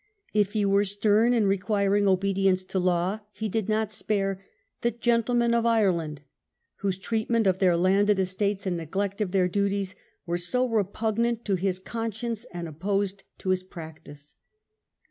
If he were stem in requiring obedience to law, he did not spare "the gentlemen of Ireland," whose treatment of their landed estates and neglect of their duties were so repugnant to his con science and opposed to his practice.